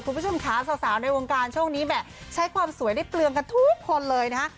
คุณผู้ชมค่ะสาวในวงการช่วงนี้แหม่ใช้ความสวยได้เปลืองกันทุกคนเลยนะฮะ